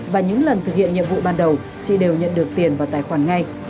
và những lần thực hiện nhiệm vụ ban đầu chị đều nhận được tiền và tiền